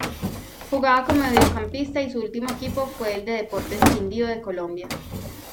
Jugaba como mediocampista y su ultimo equipo fue el Deportes Quindío de Colombia.